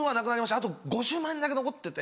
あと５０万円だけ残ってて。